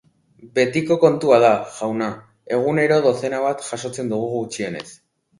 Betiko kontua da, jauna, egunero dozena bat jasotzen dugu, gutxienez.